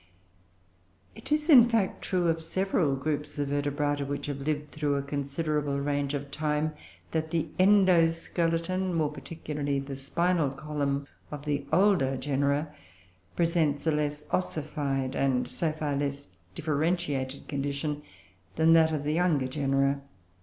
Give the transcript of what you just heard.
It is, in fact, true of several groups of Vertebrata which have lived through a considerable range of time, that the endoskeleton (more particularly the spinal column) of the older genera presents a less ossified, and, so far, less differentiated, condition than that of the younger genera.